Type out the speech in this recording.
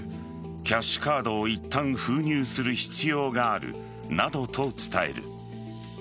キャッシュカードをいったん封入する必要があるなどと伝える。